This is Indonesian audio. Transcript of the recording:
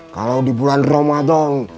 kalo di bulan ramadan